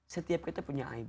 setiap kita punya aib